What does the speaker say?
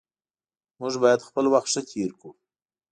موږ باید خپل وخت ښه تیر کړو